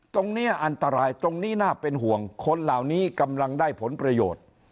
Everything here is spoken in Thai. ตรงนี้อันตรายตรงนี้น่าเป็นห่วงคนเหล่านี้กำลังได้ผลประโยชน์